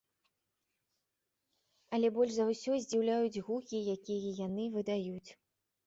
Але больш за ўсё здзіўляюць гукі, якія яны выдаюць.